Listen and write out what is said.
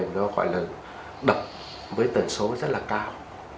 nó gọi là đập với tần số rất là cao